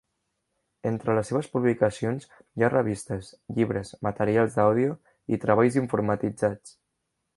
Entre les seves publicacions hi ha revistes, llibres, materials d'àudio i treballs informatitzats.